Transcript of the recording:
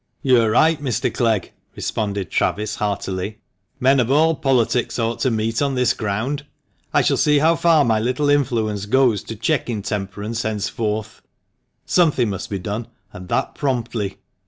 " You are right, Mr. Clegg," responded Travis, heartily. " Men of all politics ought to meet on this ground. I shall see how 314 THE MANCHESTER MAN. far my little influence goes to check intemperance henceforth. Something must be done, and that promptly."